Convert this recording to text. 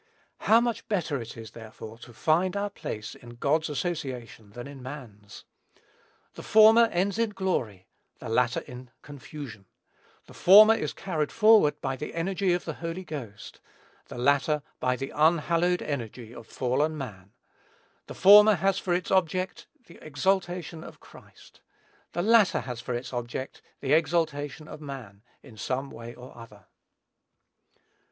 How much better it is, therefore, to find our place in God's association than in man's! The former ends in glory, the latter in confusion; the former is carried forward by the energy of the Holy Ghost, the latter by the unhallowed energy of fallen man; the former has for its object the exaltation of Christ, the latter has for its object the exaltation of man, in some way or other.